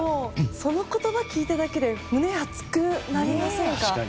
その言葉を聞いただけで胸、熱くなりませんか？